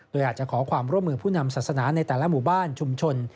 โดยอาจจะขอความร่วมมือผู้นำศาสนาในแต่ละหมู่บ้านชุมชน